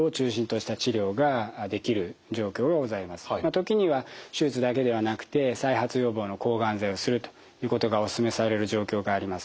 時には手術だけではなくて再発予防の抗がん剤をするということがお勧めされる状況があります。